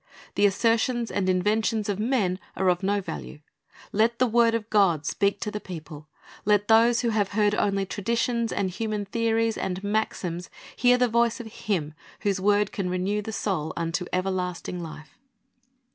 The assertions and inventions of men are of no value. Let the word of God speak to the people. Let those who have heard only traditions and human theories and maxims hear the voice of Him whose word can renew the soul unto everlasting life.